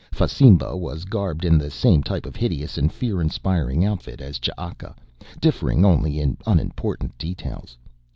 Fasimba was garbed in the same type of hideous and fear inspiring outfit as Ch'aka, differing only in unimportant details.